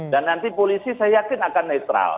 dan nanti polisi saya yakin akan netral